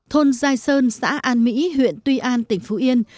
thôn giai sơn xã an mỹ huyện tuy an tỉnh phú yên